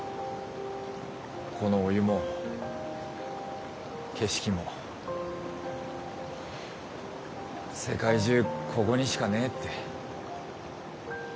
このお湯も景色も世界中こごにしかねえって。